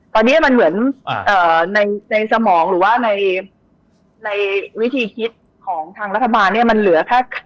ตอนนี้มันเหมือนในสมองหรือว่าในวิธีคิดของทางรัฐบาลเนี่ยมันเหลือแค่